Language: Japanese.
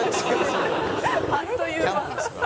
「あっという間」